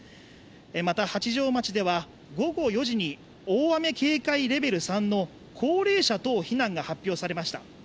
また八丈町では午後４時に大雨警戒レベル３の高齢者等避難が発表されました。